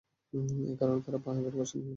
এ কারণে তারা পাহাড় কেটে প্রাসাদ নির্মাণ করত।